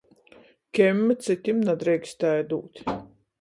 Kemmi cytim nadreikstēja dūt.